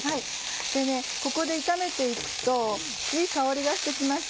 ここで炒めて行くといい香りがして来ます。